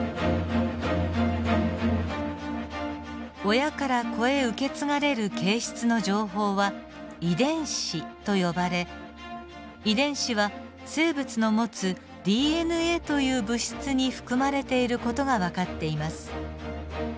親から子へ受け継がれる形質の情報は遺伝子と呼ばれ遺伝子は生物の持つＤＮＡという物質に含まれている事が分かっています。